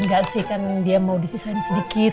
enggak sih kan dia mau disisain sedikit